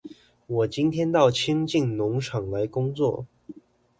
我今天到清境農場來工作